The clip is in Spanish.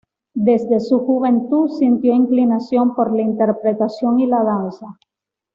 Desde su juventud sintió inclinación por la interpretación y la danza.